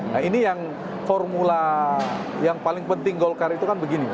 nah ini yang formula yang paling penting golkar itu kan begini